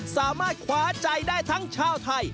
สามารถขวาใจได้ทั้งชาวไทย